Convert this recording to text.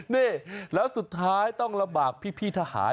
นี่แล้วสุดท้ายต้องลำบากพี่ทหาร